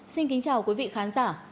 xin kính chào quý vị khán giả